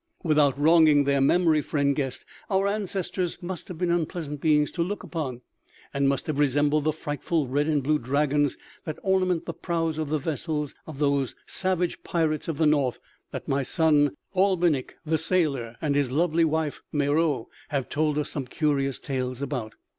"Without wronging their memory, friend guest, our ancestors must have been unpleasant beings to look upon, and must have resembled the frightful red and blue dragons that ornament the prows of the vessels of those savage pirates of the North that my son Albinik the sailor and his lovely wife Meroë have told us some curious tales about.